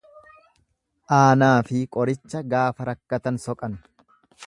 Aanaafi qoricha gaafa rakkatan soqan.